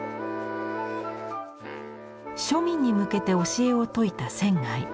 庶民に向けて教えを説いた仙。